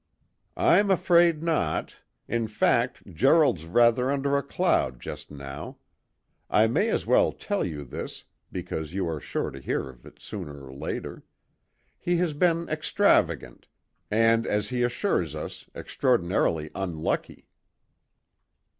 "I'm afraid not. In fact, Gerald's rather under a cloud just now. I may as well tell you this, because you are sure to hear of it sooner or later. He has been extravagant, and, as he assures us, extraordinarily unlucky."